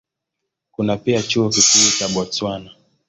Kuna pia Chuo Kikuu cha Botswana.